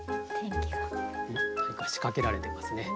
何か仕掛けられてますね。